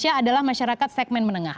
indonesia adalah masyarakat segmen menengah